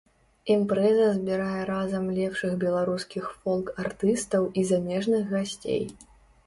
Імпрэза збірае разам лепшых беларускіх фолк-артыстаў і замежных гасцей.